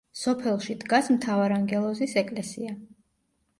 სოფელში დგას მთავარანგელოზის ეკლესია.